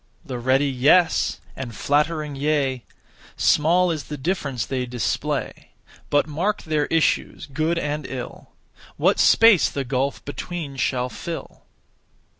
The (ready) 'yes,' and (flattering) 'yea;' Small is the difference they display. But mark their issues, good and ill; What space the gulf between shall fill?